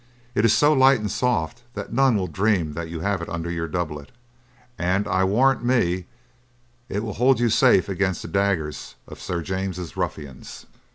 It is so light and soft that none will dream that you have it under your doublet, and I warrant me it will hold you safe against the daggers of Sir James's ruffians."